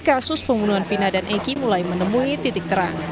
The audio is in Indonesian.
kasus pembunuhan vina dan eki mulai menemui titik terang